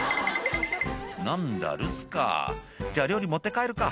「何だ留守かじゃあ料理持って帰るか」